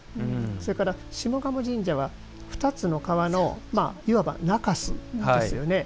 それから下鴨神社は２つの川のまあ、いわば中州ですよね。